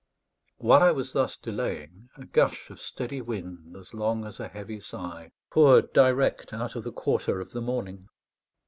While I was thus delaying, a gush of steady wind, as long as a heavy sigh, poured direct out of the quarter of the morning.